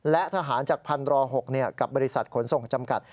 และทหารจากพันร๖กับบริษัทขนส่งจำกัด